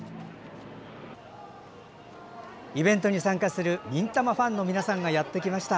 イベントに参加する「忍たま」ファンの皆さんがやってきました。